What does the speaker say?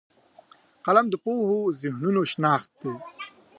قلم د پوهو ذهنونو شناخت دی